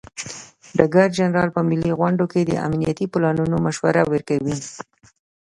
ډګر جنرال په ملي غونډو کې د امنیتي پلانونو مشوره ورکوي.